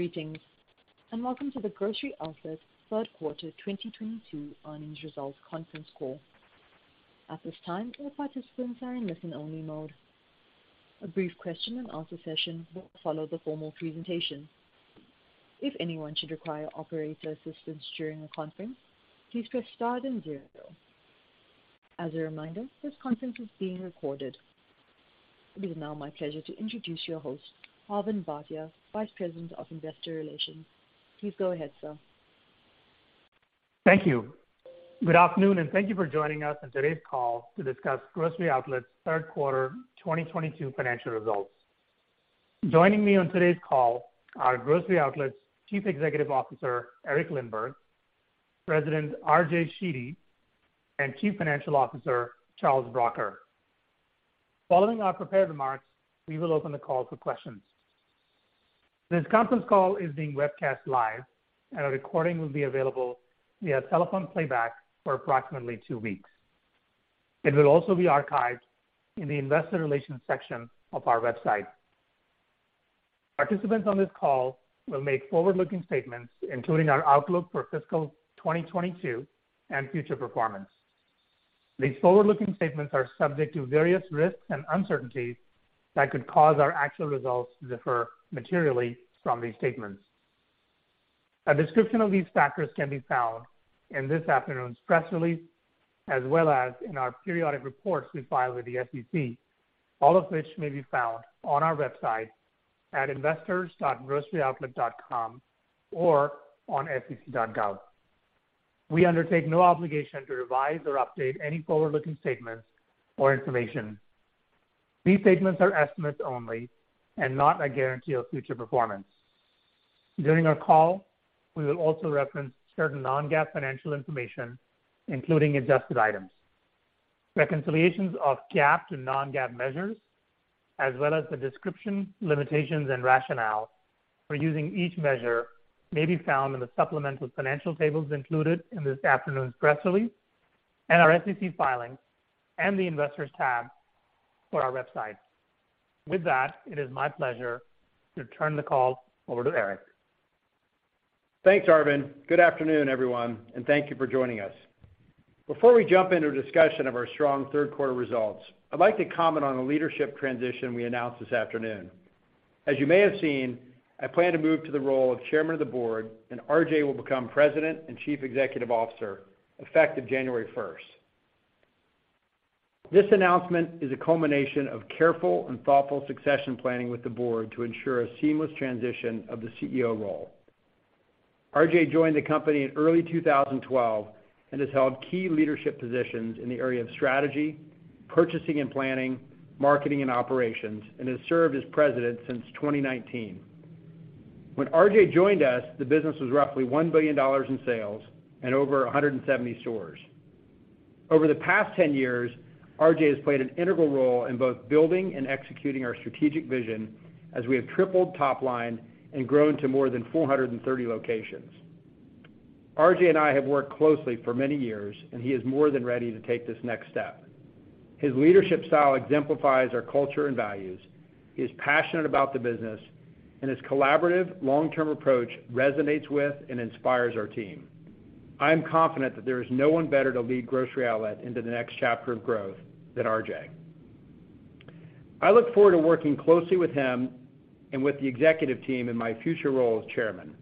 Greetings, and welcome to the Grocery Outlet's Third Quarter 2022 Earnings Results Conference Call. At this time, all participants are in listen-only mode. A brief question and answer session will follow the formal presentation. If anyone should require operator assistance during the conference, please press star then zero. As a reminder, this conference is being recorded. It is now my pleasure to introduce your host, Arvind Bhatia, Vice President of Investor Relations. Please go ahead, sir. Thank you. Good afternoon, and thank you for joining us on today's call to discuss Grocery Outlet's third quarter 2022 financial results. Joining me on today's call are Grocery Outlet's Chief Executive Officer, Eric Lindberg, President RJ Sheedy, and Chief Financial Officer, Charles Bracher. Following our prepared remarks, we will open the call for questions. This conference call is being webcast live, and a recording will be available via telephone playback for approximately two weeks. It will also be archived in the investor relations section of our website. Participants on this call will make forward-looking statements, including our outlook for fiscal 2022 and future performance. These forward-looking statements are subject to various risks and uncertainties that could cause our actual results to differ materially from these statements. A description of these factors can be found in this afternoon's press release, as well as in our periodic reports we file with the SEC, all of which may be found on our website at investors.groceryoutlet.com or on sec.gov. We undertake no obligation to revise or update any forward-looking statements or information. These statements are estimates only and not a guarantee of future performance. During our call, we will also reference certain non-GAAP financial information, including adjusted items. Reconciliations of GAAP to non-GAAP measures, as well as the description, limitations, and rationale for using each measure may be found in the supplemental financial tables included in this afternoon's press release and our SEC filings and the Investors tab for our website. With that, it is my pleasure to turn the call over to Eric. Thanks, Arvind. Good afternoon, everyone, and thank you for joining us. Before we jump into a discussion of our strong third quarter results, I'd like to comment on the leadership transition we announced this afternoon. As you may have seen, I plan to move to the role of Chairman of the Board, and RJ will become President and Chief Executive Officer, effective January first. This announcement is a culmination of careful and thoughtful succession planning with the board to ensure a seamless transition of the CEO role. RJ joined the company in early 2012 and has held key leadership positions in the area of strategy, purchasing and planning, marketing and operations, and has served as President since 2019. When RJ joined us, the business was roughly $1 billion in sales and over 170 stores. Over the past 10 years, RJ has played an integral role in both building and executing our strategic vision as we have tripled top line and grown to more than 430 locations. RJ and I have worked closely for many years, and he is more than ready to take this next step. His leadership style exemplifies our culture and values. He is passionate about the business, and his collaborative long-term approach resonates with and inspires our team. I am confident that there is no one better to lead Grocery Outlet into the next chapter of growth than RJ. I look forward to working closely with him and with the executive team in my future role as chairman,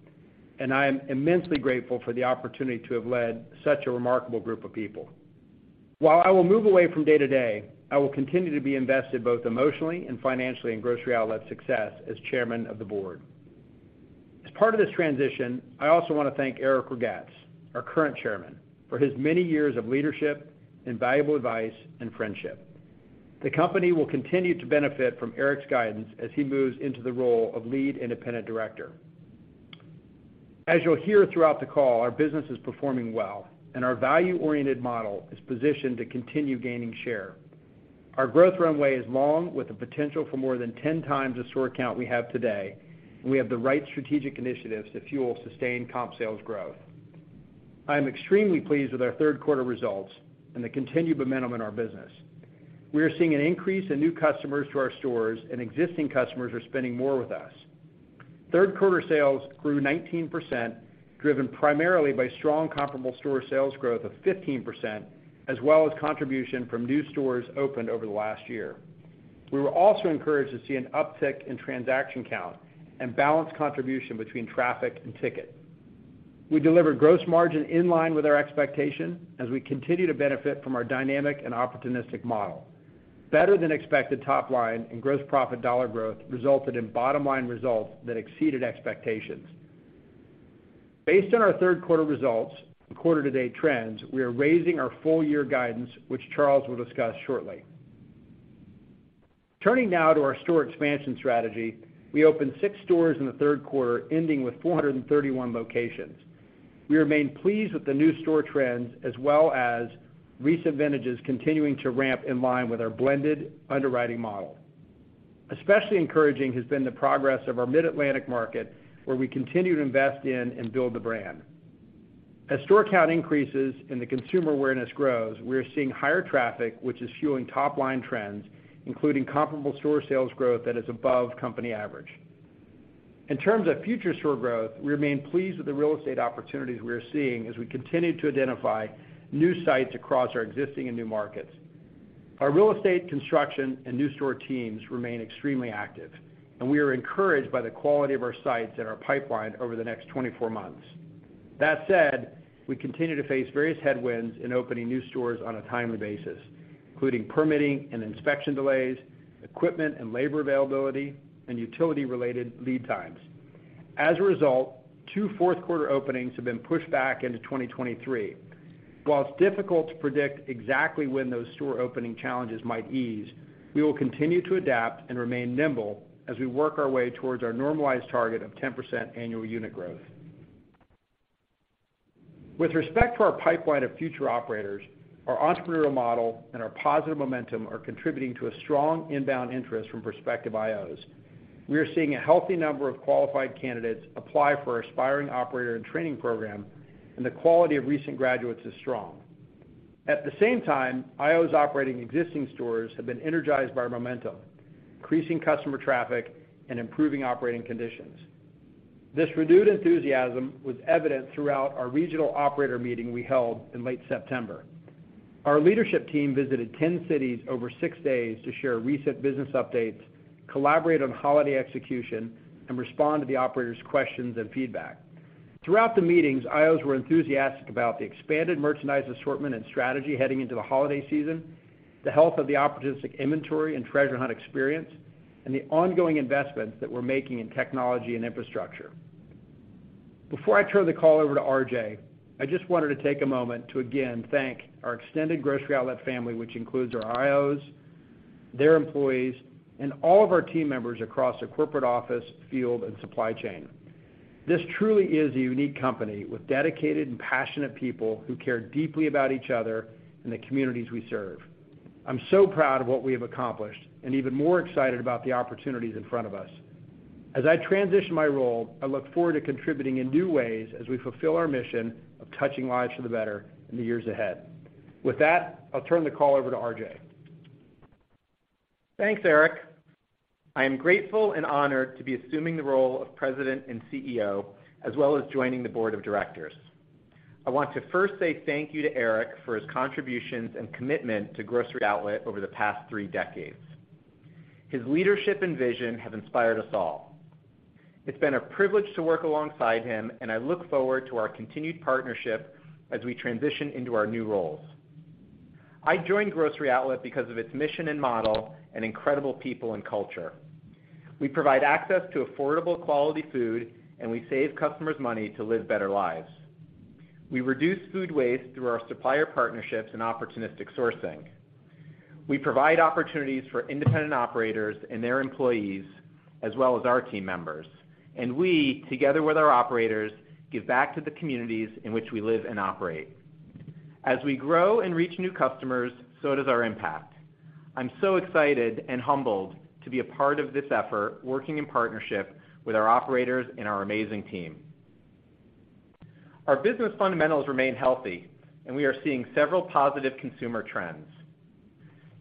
and I am immensely grateful for the opportunity to have led such a remarkable group of people. While I will move away from day-to-day, I will continue to be invested both emotionally and financially in Grocery Outlet's success as Chairman of the Board. As part of this transition, I also want to thank Eric Lindberg, our current chairman, for his many years of leadership and valuable advice and friendship. The company will continue to benefit from Eric's guidance as he moves into the role of lead independent director. As you'll hear throughout the call, our business is performing well, and our value-oriented model is positioned to continue gaining share. Our growth runway is long, with the potential for more than 10 times the store count we have today, and we have the right strategic initiatives to fuel sustained comp sales growth. I am extremely pleased with our third quarter results and the continued momentum in our business. We are seeing an increase in new customers to our stores, and existing customers are spending more with us. Third quarter sales grew 19%, driven primarily by strong comparable store sales growth of 15%, as well as contribution from new stores opened over the last year. We were also encouraged to see an uptick in transaction count and balanced contribution between traffic and ticket. We delivered gross margin in line with our expectation as we continue to benefit from our dynamic and opportunistic model. Better than expected top line and gross profit dollar growth resulted in bottom-line results that exceeded expectations. Based on our third quarter results and quarter to date trends, we are raising our full year guidance, which Charles will discuss shortly. Turning now to our store expansion strategy. We opened six stores in the third quarter, ending with 431 locations. We remain pleased with the new store trends as well as recent vintages continuing to ramp in line with our blended underwriting model. Especially encouraging has been the progress of our mid-Atlantic market, where we continue to invest in and build the brand. As store count increases and the consumer awareness grows, we are seeing higher traffic, which is fueling top line trends, including comparable store sales growth that is above company average. In terms of future store growth, we remain pleased with the real estate opportunities we are seeing as we continue to identify new sites across our existing and new markets. Our real estate construction and new store teams remain extremely active, and we are encouraged by the quality of our sites and our pipeline over the next 24 months. That said, we continue to face various headwinds in opening new stores on a timely basis, including permitting and inspection delays, equipment and labor availability, and utility related lead times. As a result, 2 fourth quarter openings have been pushed back into 2023. While it's difficult to predict exactly when those store opening challenges might ease, we will continue to adapt and remain nimble as we work our way towards our normalized target of 10% annual unit growth. With respect to our pipeline of future operators, our entrepreneurial model and our positive momentum are contributing to a strong inbound interest from prospective IOs. We are seeing a healthy number of qualified candidates apply for our aspiring operator and training program, and the quality of recent graduates is strong. At the same time, IOs operating existing stores have been energized by our momentum, increasing customer traffic and improving operating conditions. This renewed enthusiasm was evident throughout our regional operator meeting we held in late September. Our leadership team visited 10 cities over six days to share recent business updates, collaborate on holiday execution, and respond to the operators' questions and feedback. Throughout the meetings, IOs were enthusiastic about the expanded merchandise assortment and strategy heading into the holiday season, the health of the opportunistic inventory and treasure hunt experience, and the ongoing investments that we're making in technology and infrastructure. Before I turn the call over to RJ, I just wanted to take a moment to again thank our extended Grocery Outlet family, which includes our IOs, their employees, and all of our team members across the corporate office, field and supply chain. This truly is a unique company with dedicated and passionate people who care deeply about each other and the communities we serve. I'm so proud of what we have accomplished and even more excited about the opportunities in front of us. As I transition my role, I look forward to contributing in new ways as we fulfill our mission of touching lives for the better in the years ahead. With that, I'll turn the call over to RJ. Thanks, Eric. I am grateful and honored to be assuming the role of President and CEO as well as joining the board of directors. I want to first say thank you to Eric for his contributions and commitment to Grocery Outlet over the past three decades. His leadership and vision have inspired us all. It's been a privilege to work alongside him, and I look forward to our continued partnership as we transition into our new roles. I joined Grocery Outlet because of its mission and model and incredible people and culture. We provide access to affordable, quality food, and we save customers money to live better lives. We reduce food waste through our supplier partnerships and opportunistic sourcing. We provide opportunities for independent operators and their employees as well as our team members. We, together with our operators, give back to the communities in which we live and operate. As we grow and reach new customers, so does our impact. I'm so excited and humbled to be a part of this effort, working in partnership with our operators and our amazing team. Our business fundamentals remain healthy, and we are seeing several positive consumer trends.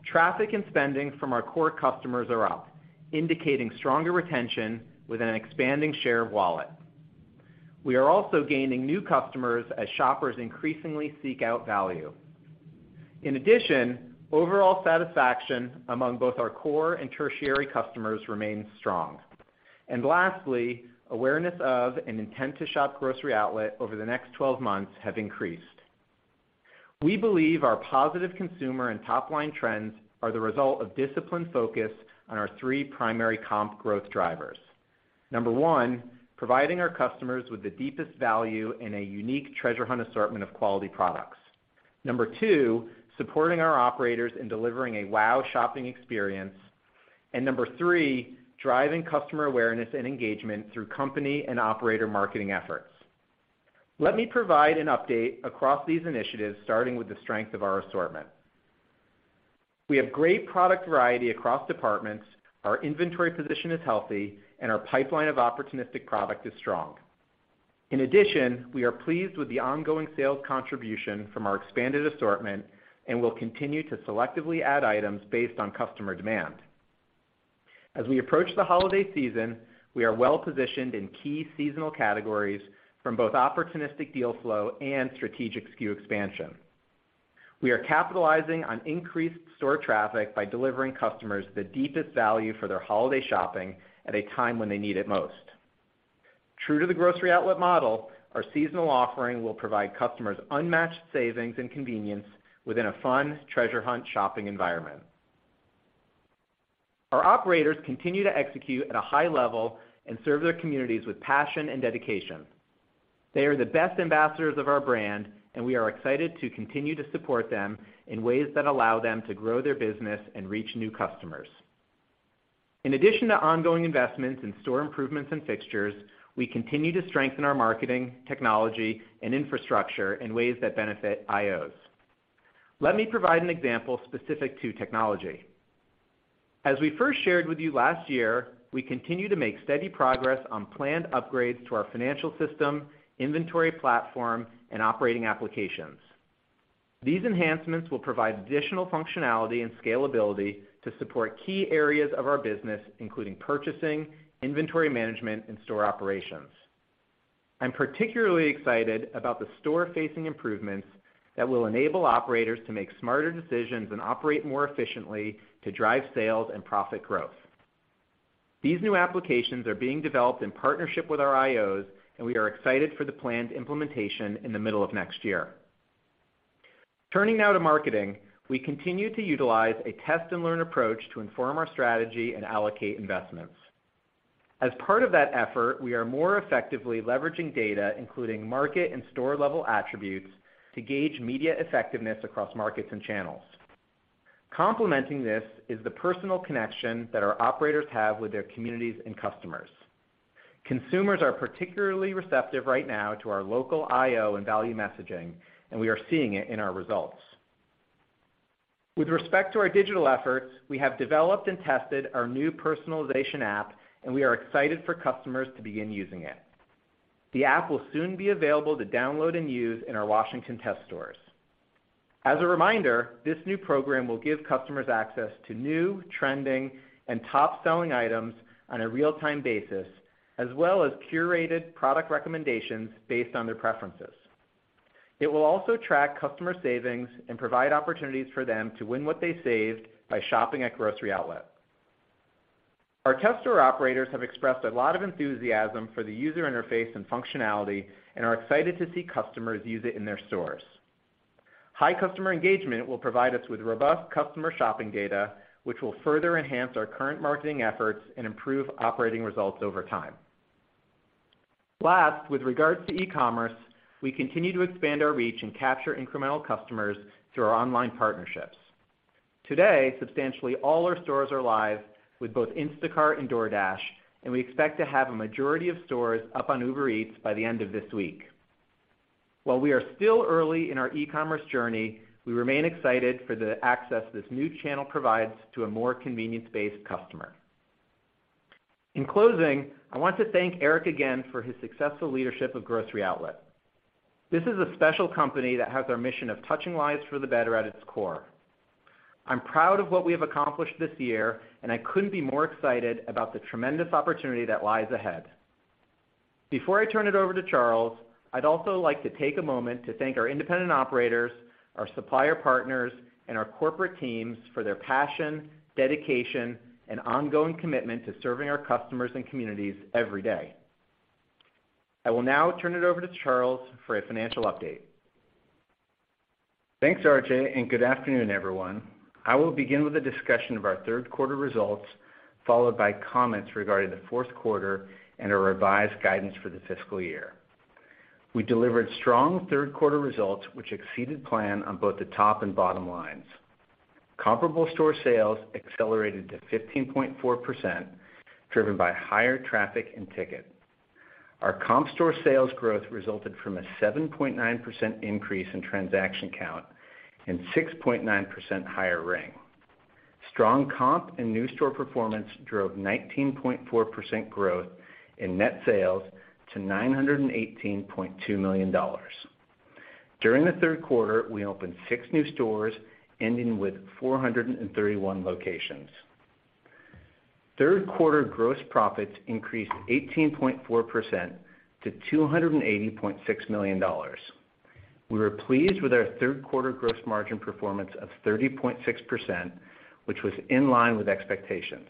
Traffic and spending from our core customers are up, indicating stronger retention with an expanding share of wallet. We are also gaining new customers as shoppers increasingly seek out value. In addition, overall satisfaction among both our core and tertiary customers remains strong. Lastly, awareness of and intent to shop Grocery Outlet over the next twelve months have increased. We believe our positive consumer and top line trends are the result of disciplined focus on our three primary comp growth drivers. Number one, providing our customers with the deepest value in a unique treasure hunt assortment of quality products. Number two, supporting our operators in delivering a wow shopping experience. Number three, driving customer awareness and engagement through company and operator marketing efforts. Let me provide an update across these initiatives, starting with the strength of our assortment. We have great product variety across departments. Our inventory position is healthy and our pipeline of opportunistic product is strong. In addition, we are pleased with the ongoing sales contribution from our expanded assortment and will continue to selectively add items based on customer demand. As we approach the holiday season, we are well positioned in key seasonal categories from both opportunistic deal flow and strategic SKU expansion. We are capitalizing on increased store traffic by delivering customers the deepest value for their holiday shopping at a time when they need it most. True to the Grocery Outlet model, our seasonal offering will provide customers unmatched savings and convenience within a fun treasure hunt shopping environment. Our operators continue to execute at a high level and serve their communities with passion and dedication. They are the best ambassadors of our brand, and we are excited to continue to support them in ways that allow them to grow their business and reach new customers. In addition to ongoing investments in store improvements and fixtures, we continue to strengthen our marketing, technology and infrastructure in ways that benefit IOs. Let me provide an example specific to technology. As we first shared with you last year, we continue to make steady progress on planned upgrades to our financial system, inventory platform, and operating applications. These enhancements will provide additional functionality and scalability to support key areas of our business, including purchasing, inventory management, and store operations. I'm particularly excited about the store-facing improvements that will enable operators to make smarter decisions and operate more efficiently to drive sales and profit growth. These new applications are being developed in partnership with our IOs, and we are excited for the planned implementation in the middle of next year. Turning now to marketing. We continue to utilize a test-and-learn approach to inform our strategy and allocate investments. As part of that effort, we are more effectively leveraging data, including market and store-level attributes, to gauge media effectiveness across markets and channels. Complementing this is the personal connection that our operators have with their communities and customers. Consumers are particularly receptive right now to our local IO and value messaging, and we are seeing it in our results. With respect to our digital efforts, we have developed and tested our new personalization app, and we are excited for customers to begin using it. The app will soon be available to download and use in our Washington test stores. As a reminder, this new program will give customers access to new, trending, and top-selling items on a real-time basis, as well as curated product recommendations based on their preferences. It will also track customer savings and provide opportunities for them to win what they saved by shopping at Grocery Outlet. Our test store operators have expressed a lot of enthusiasm for the user interface and functionality and are excited to see customers use it in their stores. High customer engagement will provide us with robust customer shopping data, which will further enhance our current marketing efforts and improve operating results over time. Last, with regards to e-commerce, we continue to expand our reach and capture incremental customers through our online partnerships. Today, substantially all our stores are live with both Instacart and DoorDash, and we expect to have a majority of stores up on Uber Eats by the end of this week. While we are still early in our e-commerce journey, we remain excited for the access this new channel provides to a more convenience-based customer. In closing, I want to thank Eric again for his successful leadership of Grocery Outlet. This is a special company that has our mission of Touching Lives for the Better at its core. I'm proud of what we have accomplished this year, and I couldn't be more excited about the tremendous opportunity that lies ahead. Before I turn it over to Charles, I'd also like to take a moment to thank our independent operators, our supplier partners, and our corporate teams for their passion, dedication, and ongoing commitment to serving our customers and communities every day. I will now turn it over to Charles for a financial update. Thanks, RJ, and good afternoon, everyone. I will begin with a discussion of our third quarter results, followed by comments regarding the fourth quarter and our revised guidance for the fiscal year. We delivered strong third quarter results, which exceeded plan on both the top and bottom lines. Comparable store sales accelerated to 15.4%, driven by higher traffic and ticket. Our comp store sales growth resulted from a 7.9% increase in transaction count and 6.9% higher ring. Strong comp and new store performance drove 19.4% growth in net sales to $918.2 million. During the third quarter, we opened six new stores, ending with 431 locations. Third quarter gross profits increased 18.4% to $280.6 million. We were pleased with our third quarter gross margin performance of 30.6%, which was in line with expectations.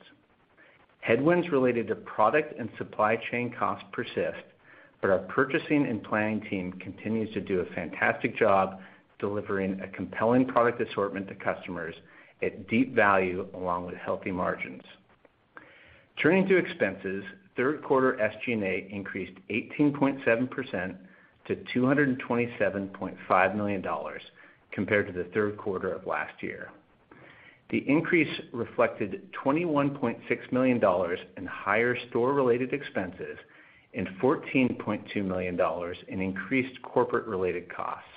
Headwinds related to product and supply chain costs persist, but our purchasing and planning team continues to do a fantastic job delivering a compelling product assortment to customers at deep value along with healthy margins. Turning to expenses, third quarter SG&A increased 18.7% to $227.5 million compared to the third quarter of last year. The increase reflected $21.6 million in higher store-related expenses and $14.2 million in increased corporate related costs.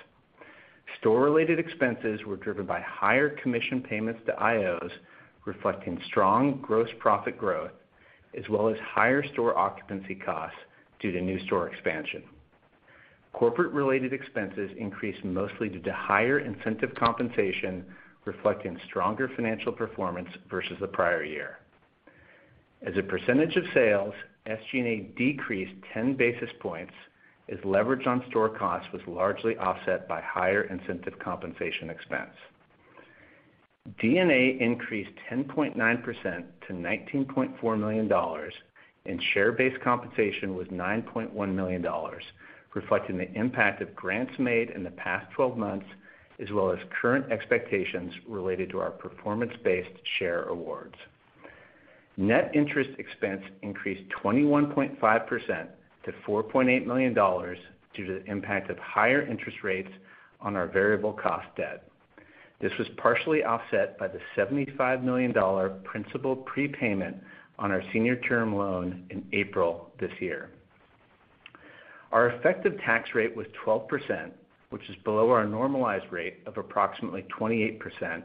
Store-related expenses were driven by higher commission payments to IOs, reflecting strong gross profit growth, as well as higher store occupancy costs due to new store expansion. Corporate related expenses increased mostly due to higher incentive compensation, reflecting stronger financial performance versus the prior year. As a percentage of sales, SG&A decreased 10 basis points as leverage on store costs was largely offset by higher incentive compensation expense. D&A increased 10.9% to $19.4 million, and share-based compensation was $9.1 million, reflecting the impact of grants made in the past twelve months, as well as current expectations related to our performance-based share awards. Net interest expense increased 21.5% to $4.8 million due to the impact of higher interest rates on our variable cost debt. This was partially offset by the $75 million principal prepayment on our senior term loan in April this year. Our effective tax rate was 12%, which is below our normalized rate of approximately 28%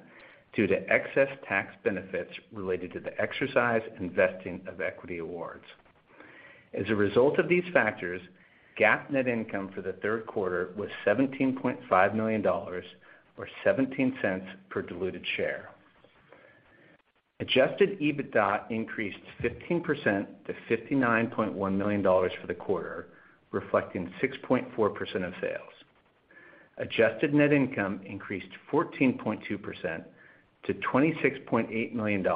due to excess tax benefits related to the exercise and vesting of equity awards. As a result of these factors, GAAP net income for the third quarter was $17.5 million or $0.17 per diluted share. Adjusted EBITDA increased 15% to $59.1 million for the quarter, reflecting 6.4% of sales. Adjusted net income increased 14.2% to $26.8 million,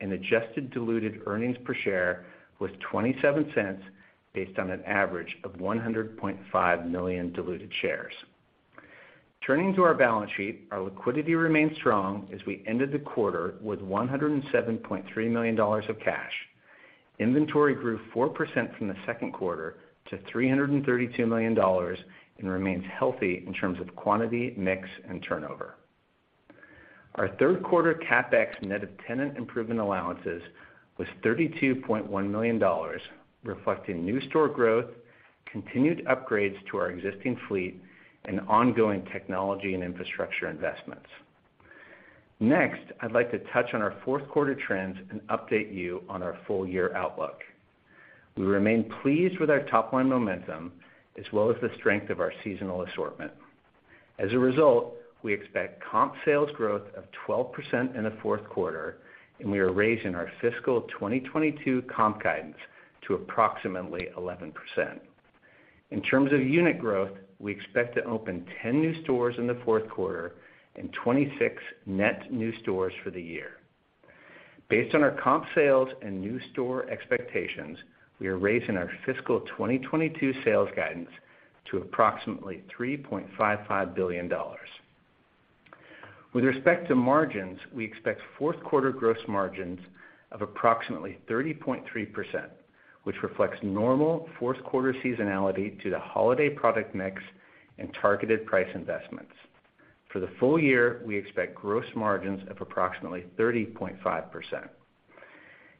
and adjusted diluted earnings per share was $0.27 based on an average of 100.5 million diluted shares. Turning to our balance sheet, our liquidity remains strong as we ended the quarter with $107.3 million of cash. Inventory grew 4% from the second quarter to $332 million and remains healthy in terms of quantity, mix, and turnover. Our third quarter CapEx net of tenant improvement allowances was $32.1 million, reflecting new store growth, continued upgrades to our existing fleet, and ongoing technology and infrastructure investments. Next, I'd like to touch on our fourth quarter trends and update you on our full year outlook. We remain pleased with our top-line momentum as well as the strength of our seasonal assortment. As a result, we expect comp sales growth of 12% in the fourth quarter, and we are raising our fiscal 2022 comp guidance to approximately 11%. In terms of unit growth, we expect to open 10 new stores in the fourth quarter and 26 net new stores for the year. Based on our comp sales and new store expectations, we are raising our fiscal 2022 sales guidance to approximately $3.55 billion. With respect to margins, we expect fourth quarter gross margins of approximately 30.3%, which reflects normal fourth quarter seasonality to the holiday product mix and targeted price investments. For the full year, we expect gross margins of approximately 30.5%.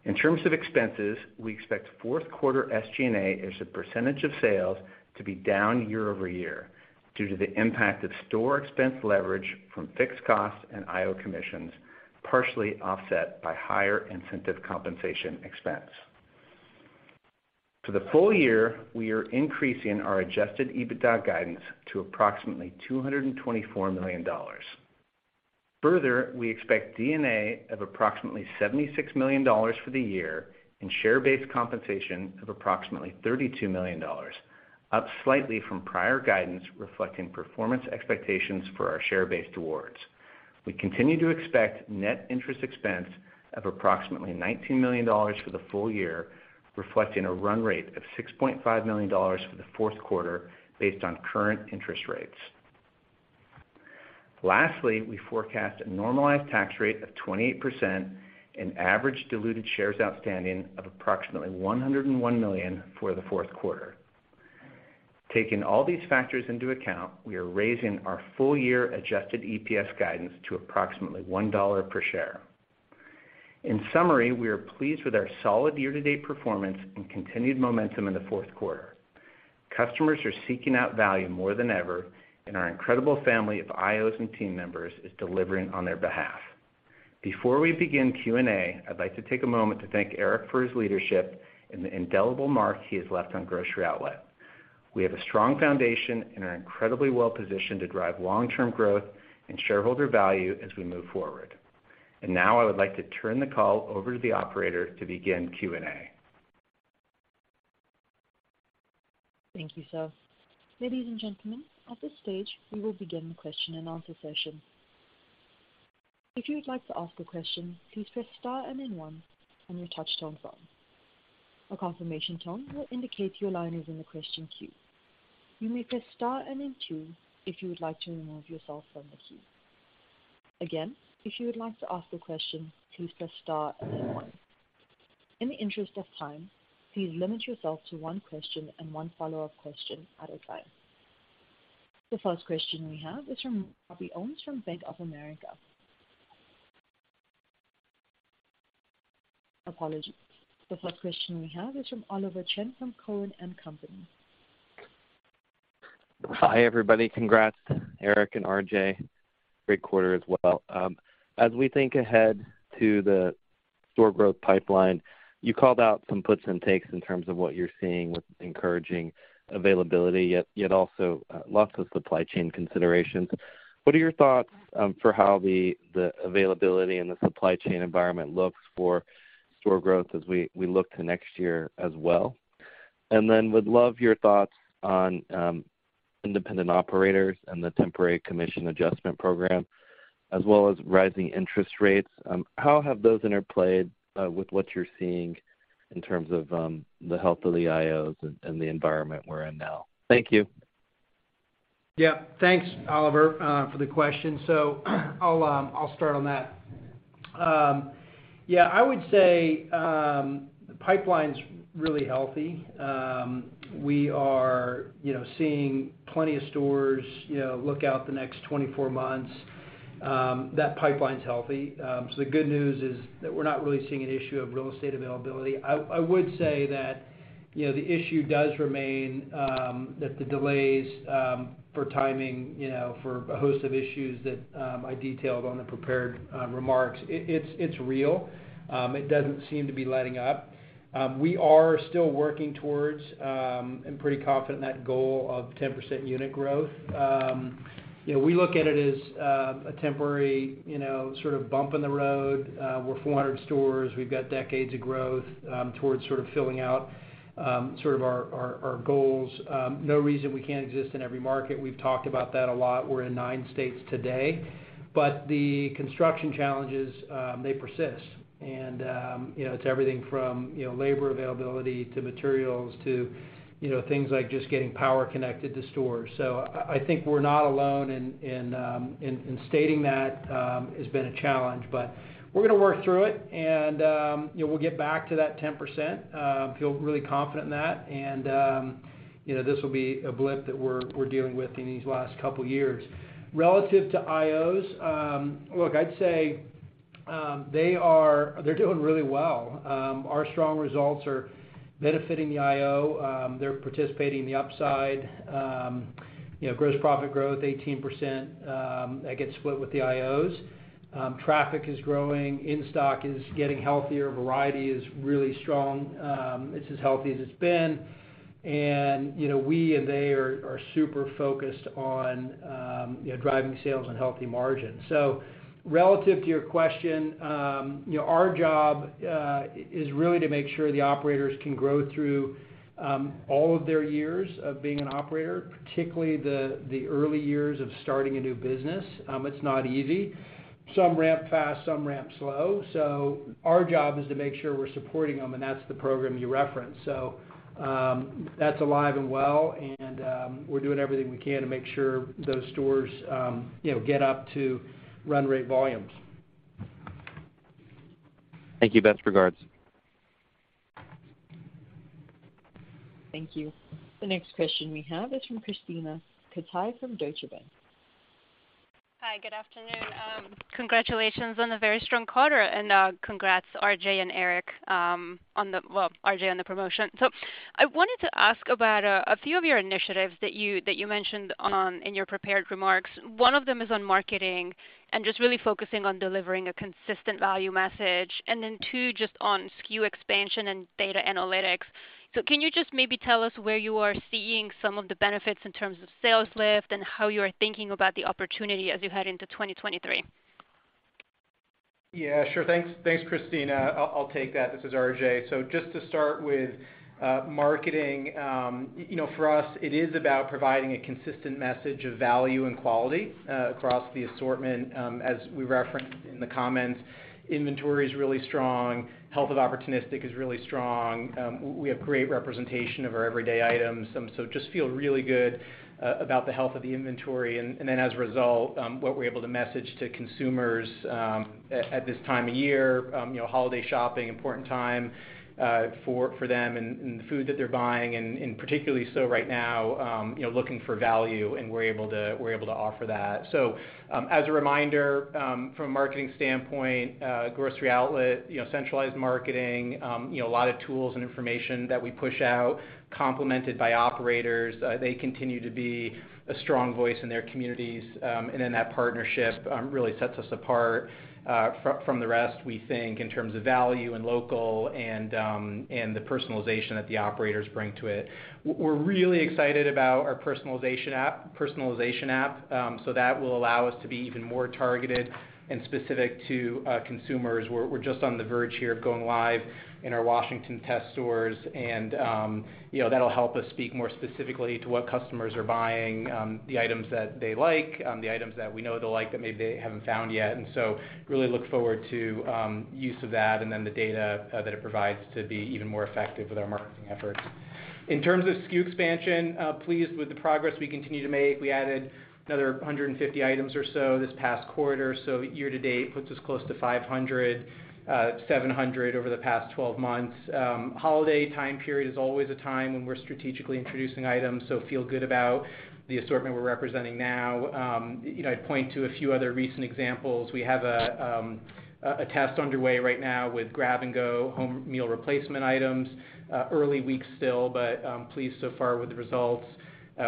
In terms of expenses, we expect fourth quarter SG&A as a percentage of sales to be down year-over-year due to the impact of store expense leverage from fixed costs and IO commissions, partially offset by higher incentive compensation expense. For the full year, we are increasing our adjusted EBITDA guidance to approximately $224 million. Further, we expect D&A of approximately $76 million for the year and share-based compensation of approximately $32 million, up slightly from prior guidance, reflecting performance expectations for our share-based awards. We continue to expect net interest expense of approximately $19 million for the full year, reflecting a run rate of $6.5 million for the fourth quarter based on current interest rates. Lastly, we forecast a normalized tax rate of 28% and average diluted shares outstanding of approximately 101 million for the fourth quarter. Taking all these factors into account, we are raising our full year adjusted EPS guidance to approximately $1 per share. In summary, we are pleased with our solid year-to-date performance and continued momentum in the fourth quarter. Customers are seeking out value more than ever, and our incredible family of IOs and team members is delivering on their behalf. Before we begin Q&A, I'd like to take a moment to thank Eric for his leadership and the indelible mark he has left on Grocery Outlet. We have a strong foundation and are incredibly well-positioned to drive long-term growth and shareholder value as we move forward. Now I would like to turn the call over to the operator to begin Q&A. Thank you, sir. Ladies and gentlemen, at this stage, we will begin the question-and-answer session. If you would like to ask a question, please press star and then one on your touchtone phone. A confirmation tone will indicate your line is in the question queue. You may press star and then two if you would like to remove yourself from the queue. Again, if you would like to ask a question, please press star and then one. In the interest of time, please limit yourself to one question and one follow-up question at a time. The first question we have is from Oliver Chen from Cowen and Company. Hi, everybody. Congrats, Eric and RJ. Great quarter as well. As we think ahead to the store growth pipeline, you called out some puts and takes in terms of what you're seeing with encouraging availability, yet also lots of supply chain considerations. What are your thoughts for how the availability and the supply chain environment looks for store growth as we look to next year as well? Would love your thoughts on independent operators and the temporary commission adjustment program as well as rising interest rates. How have those interplayed with what you're seeing in terms of the health of the IOs and the environment we're in now? Thank you. Yeah. Thanks, Oliver, for the question. I'll start on that. Yeah, I would say, the pipeline's really healthy. We are, you know, seeing plenty of stores, you know, look out the next 24 months. That pipeline's healthy. The good news is that we're not really seeing an issue of real estate availability. I would say that, you know, the issue does remain, that the delays for timing, you know, for a host of issues that I detailed on the prepared remarks, it's real. It doesn't seem to be letting up. We are still working towards and pretty confident in that goal of 10% unit growth. You know, we look at it as a temporary, you know, sort of bump in the road. We're 400 stores. We've got decades of growth towards sort of filling out sort of our goals. No reason we can't exist in every market. We've talked about that a lot. We're in nine states today. The construction challenges, they persist. It's everything from, you know, labor availability to materials to, you know, things like just getting power connected to stores. I think we're not alone in stating that it's been a challenge. We're gonna work through it, and you know we'll get back to that 10%. Feel really confident in that. This will be a blip that we're dealing with in these last couple years. Relative to IOs, look, I'd say, they're doing really well. Our strong results are benefiting the IO. They're participating in the upside. You know, gross profit growth 18%, that gets split with the IOs. Traffic is growing. In-stock is getting healthier. Variety is really strong. It's as healthy as it's been. You know, we and they are super focused on, you know, driving sales and healthy margins. Relative to your question, you know, our job is really to make sure the operators can grow through all of their years of being an operator, particularly the early years of starting a new business. It's not easy. Some ramp fast, some ramp slow. Our job is to make sure we're supporting them, and that's the program you referenced. That's alive and well, and we're doing everything we can to make sure those stores, you know, get up to run rate volumes. Thank you. Best regards. Thank you. The next question we have is from Christina Chen from Deutsche Bank. Hi. Good afternoon. Congratulations on a very strong quarter, and congrats, RJ and Eric, well, RJ, on the promotion. I wanted to ask about a few of your initiatives that you mentioned in your prepared remarks. One of them is on marketing and just really focusing on delivering a consistent value message and then two, just on SKU expansion and data analytics. Can you just maybe tell us where you are seeing some of the benefits in terms of sales lift and how you are thinking about the opportunity as you head into 2023? Yeah, sure. Thanks, Christina. I'll take that. This is RJ. Just to start with, marketing, you know, for us, it is about providing a consistent message of value and quality, across the assortment, as we referenced in the comments. Inventory is really strong. Health of opportunistic is really strong. We have great representation of our everyday items. Just feel really good about the health of the inventory. Then as a result, what we're able to message to consumers, at this time of year, you know, holiday shopping, important time, for them and the food that they're buying, and particularly so right now, you know, looking for value, and we're able to offer that. As a reminder, from a marketing standpoint, Grocery Outlet, you know, centralized marketing, you know, a lot of tools and information that we push out complemented by operators. They continue to be a strong voice in their communities. That partnership really sets us apart, from the rest, we think, in terms of value and local and the personalization that the operators bring to it. We're really excited about our personalization app. That will allow us to be even more targeted and specific to consumers. We're just on the verge here of going live in our Washington test stores, and you know, that'll help us speak more specifically to what customers are buying, the items that they like, the items that we know they'll like that maybe they haven't found yet. Really look forward to use of that and then the data that it provides to be even more effective with our marketing efforts. In terms of SKU expansion, pleased with the progress we continue to make. We added another 150 items or so this past quarter, so year to date puts us close to 500, 700 over the past 12 months. Holiday time period is always a time when we're strategically introducing items, so feel good about the assortment we're representing now. You know, I'd point to a few other recent examples. We have a test underway right now with grab and go home meal replacement items. Early weeks still, but pleased so far with the results.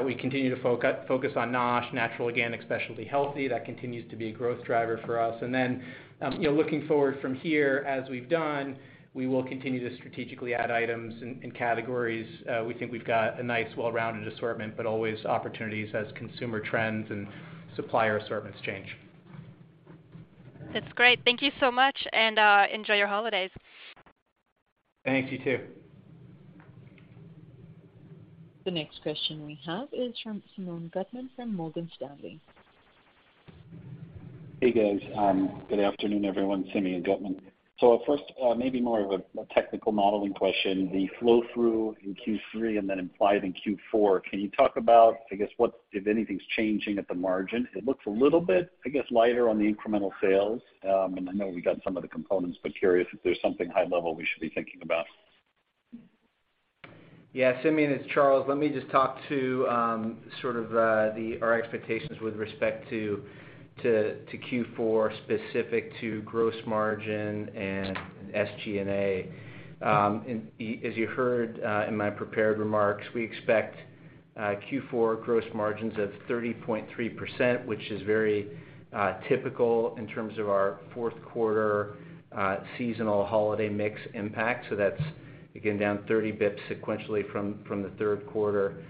We continue to focus on NOSH, natural, organic, specialty, healthy. That continues to be a growth driver for us. Then, you know, looking forward from here, as we've done, we will continue to strategically add items in categories. We think we've got a nice, well-rounded assortment, but always opportunities as consumer trends and supplier assortments change. That's great. Thank you so much, and enjoy your holidays. Thanks. You too. The next question we have is from Simeon Gutman from Morgan Stanley. Hey, guys. Good afternoon, everyone. Simeon Gutman. First, maybe more of a technical modeling question. The flow through in Q3 and then implied in Q4, can you talk about, I guess, what, if anything's changing at the margin? It looks a little bit, I guess, lighter on the incremental sales. I know we got some of the components, but curious if there's something high level we should be thinking about. Yeah, Simeon Gutman, it's Charles Bracher. Let me just talk to sort of our expectations with respect to to Q4 specific to gross margin and SG&A. As you heard in my prepared remarks, we expect Q4 gross margins of 30.3%, which is very typical in terms of our fourth quarter seasonal holiday mix impact. That's, again, down 30 basis points sequentially from the third quarter,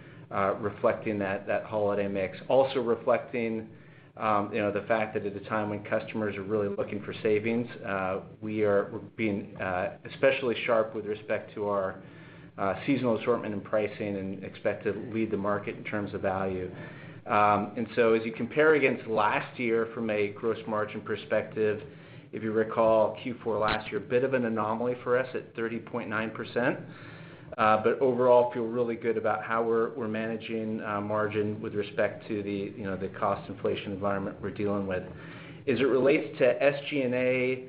reflecting that holiday mix. Also reflecting you know the fact that at the time when customers are really looking for savings, we're being especially sharp with respect to our seasonal assortment and pricing and expect to lead the market in terms of value. As you compare against last year from a gross margin perspective, if you recall Q4 last year, a bit of an anomaly for us at 30.9%. But overall, feel really good about how we're managing margin with respect to the, you know, the cost inflation environment we're dealing with. As it relates to SG&A,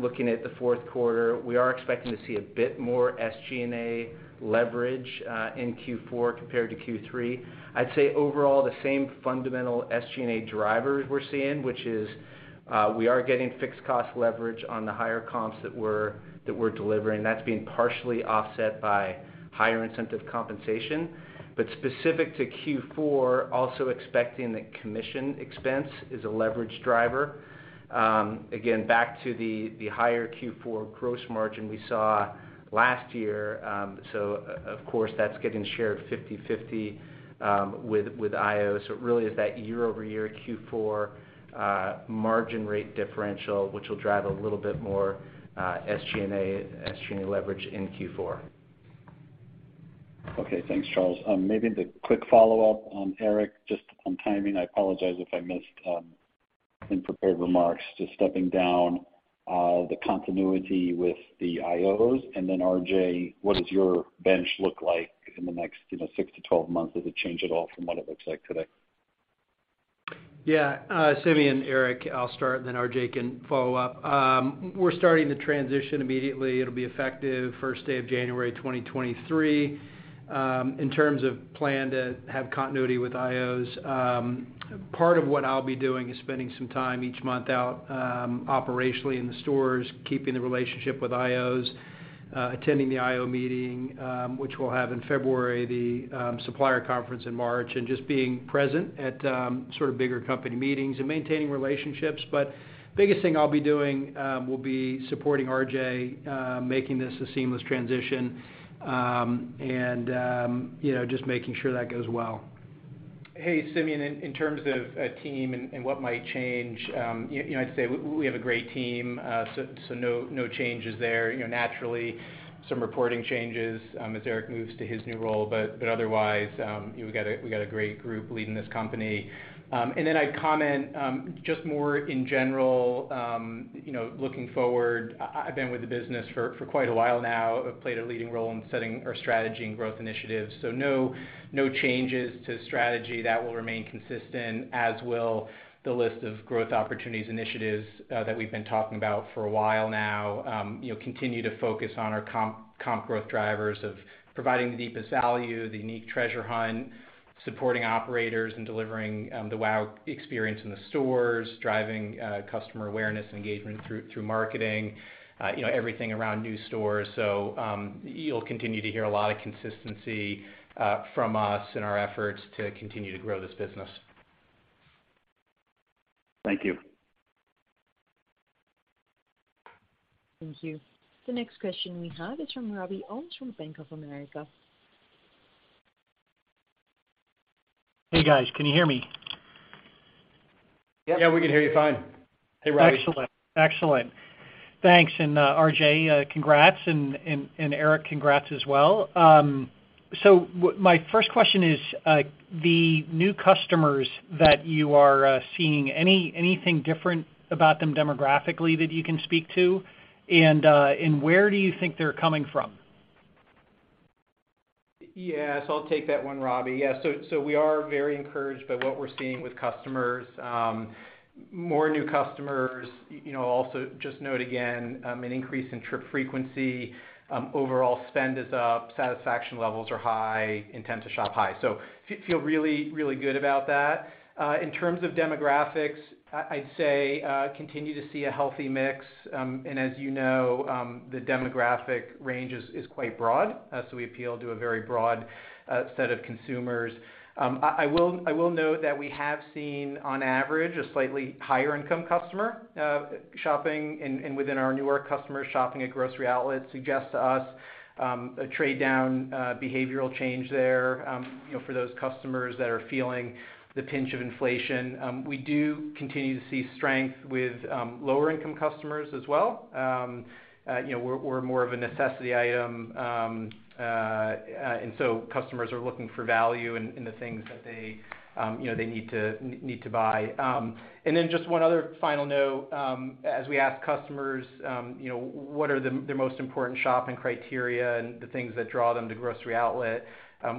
looking at the fourth quarter, we are expecting to see a bit more SG&A leverage in Q4 compared to Q3. I'd say overall, the same fundamental SG&A drivers we're seeing, which is, we are getting fixed cost leverage on the higher comps that we're delivering. That's being partially offset by higher incentive compensation. Specific to Q4, also expecting that commission expense is a leverage driver. Again, back to the higher Q4 gross margin we saw last year. Of course, that's getting shared 50/50 with IOs. It really is that year-over-year Q4 margin rate differential, which will drive a little bit more SG&A leverage in Q4. Okay. Thanks, Charles. Maybe the quick follow-up on Eric, just on timing. I apologize if I missed, in prepared remarks, just stepping down, the continuity with the IOs. Then RJ, what does your bench look like in the next, you know, 6-12 months? Does it change at all from what it looks like today? Yeah. Simeon, Eric, I'll start, then RJ can follow up. We're starting the transition immediately. It'll be effective first day of January 2023. In terms of plan to have continuity with IOs, part of what I'll be doing is spending some time each month out, operationally in the stores, keeping the relationship with IOs, attending the IO meeting, which we'll have in February, the supplier conference in March, and just being present at, sort of bigger company meetings and maintaining relationships. Biggest thing I'll be doing, will be supporting RJ, making this a seamless transition, and, you know, just making sure that goes well. Hey, Simeon, in terms of a team and what might change, you know, I'd say we have a great team. No changes there. You know, naturally some reporting changes, as Eric moves to his new role. Otherwise, you know, we got a great group leading this company. Then I'd comment, just more in general, you know, looking forward, I've been with the business for quite a while now. I've played a leading role in setting our strategy and growth initiatives. No changes to strategy. That will remain consistent, as will the list of growth opportunities initiatives, that we've been talking about for a while now. You know, continue to focus on our comp growth drivers of providing the deepest value, the unique treasure hunt, supporting operators, and delivering the wow experience in the stores, driving customer awareness and engagement through marketing, you know, everything around new stores. You'll continue to hear a lot of consistency from us in our efforts to continue to grow this business. Thank you. Thank you. The next question we have is from Robert Ohmes from Bank of America. Hey, guys. Can you hear me? Yeah, we can hear you fine. Hey, Robbie. Excellent. Thanks. RJ, congrats, and Eric, congrats as well. My first question is, the new customers that you are seeing, anything different about them demographically that you can speak to? Where do you think they're coming from? Yes, I'll take that one, Robbie. Yeah, so we are very encouraged by what we're seeing with customers. More new customers. You know, also just note again, an increase in trip frequency. Overall spend is up, satisfaction levels are high, intent to shop high. So feel really, really good about that. In terms of demographics, I'd say, continue to see a healthy mix. And as you know, the demographic range is quite broad, so we appeal to a very broad set of consumers. I will note that we have seen, on average, a slightly higher income customer shopping and within our newer customers shopping at Grocery Outlet suggests to us a trade down behavioral change there, you know, for those customers that are feeling the pinch of inflation. We do continue to see strength with lower income customers as well. You know, we're more of a necessity item, and so customers are looking for value in the things that they, you know, they need to buy. Just one other final note, as we ask customers, you know, what are the most important shopping criteria and the things that draw them to Grocery Outlet,